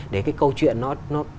để cái câu chuyện nó